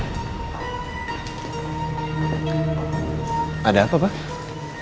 kok ke sini gak bilang siapa